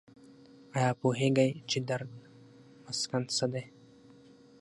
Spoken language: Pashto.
ایا پوهیږئ چې درد مسکن څه دي؟